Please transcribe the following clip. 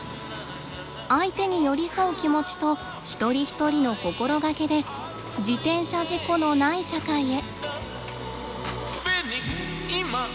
相手に寄り添う気持ちと一人一人の心がけで自転車事故のない社会へ。